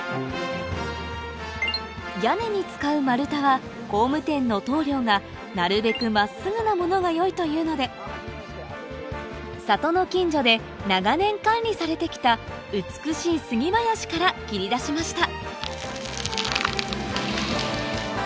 屋根に使う丸太は工務店の棟梁がなるべく真っすぐなものが良いというので里の近所で長年管理されてきた美しい杉林から切り出しました